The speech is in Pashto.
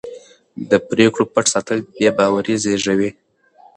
د پرېکړو پټ ساتل بې باوري زېږوي